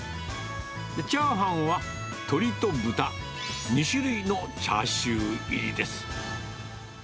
チャーハンは、鶏と豚、２種類のチャーシュー入りです。